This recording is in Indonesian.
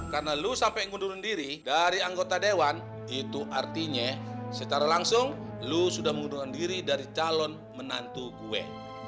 karena lo sampai ngundurin diri dari anggota dewan itu artinya secara langsung lo sudah ngundurin diri dari calon menantu gue